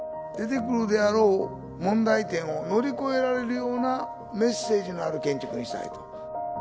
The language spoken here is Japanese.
出てくるであろう問題点を乗り越えられるようなメッセージのある建築にしたいと。